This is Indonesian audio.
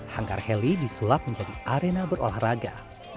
hangkar heli disulap menjadi arena berolahraga